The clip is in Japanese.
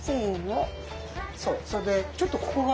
そうそれでちょっとここが。